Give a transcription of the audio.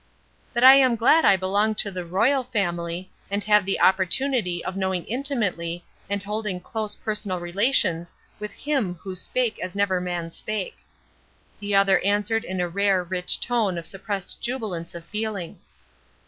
"That I am glad I belong to the 'royal family,' and have the opportunity of knowing intimately and holding close personal relations with Him who 'spake as never man spake.'" The other answered in a rare, rich tone of suppressed jubilance of feeling.